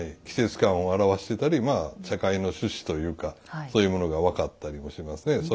季節感を表してたりまあ茶会の趣旨というかそういうものが分かったりもしますね。